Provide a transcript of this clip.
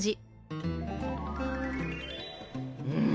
うん。